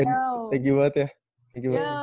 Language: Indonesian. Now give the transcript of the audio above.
thank you banget ya